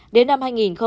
đến năm hai nghìn